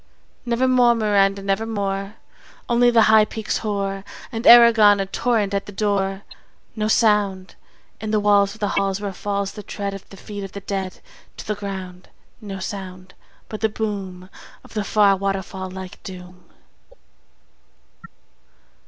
Never more; Miranda, Never more. Only the high peaks hoar; And Aragon a torrent at the door. No sound In the walls of the halls where falls The tread Of the feet of the dead to the ground, No sound: But the boom Of the far waterfall like doom.